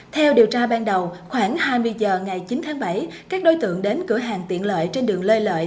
theo điều tra ban đầu khoảng hai mươi h ngày chín tháng bảy các đối tượng đến cửa hàng tiện lợi trên đường lê lợi